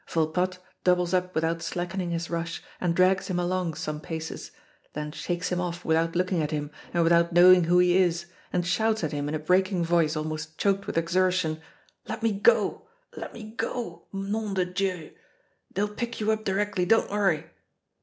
Volpatte doubles up without slackening his rush and drags him along some paces, then shakes him off without looking at him and without knowing who he is, and shouts at him in a breaking voice almost choked with exertion: "Let me go, let me go, nom de Dieu! They'll pick you up directly don't worry."